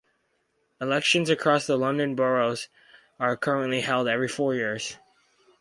Elections across the London Boroughs are currently held every four years.